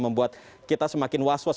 membuat kita semakin waswas